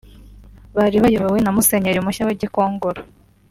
bari bayobowe na Musenyeri mushya wa Gikongoro